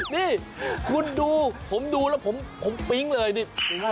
นี่คุณดูผมดูแล้วผมปิ๊งเลยนี่